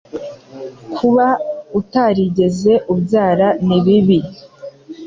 kuba utarigeze ubyara nibibi